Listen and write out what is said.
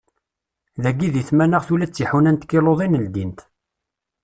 Dagi di tmanaɣt ula d tiḥuna n tkiluḍin ldint.